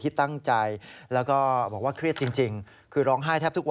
แล้วก็อยากให้เรื่องนี้จบไปเพราะว่ามันกระทบกระเทือนทั้งจิตใจของคุณครู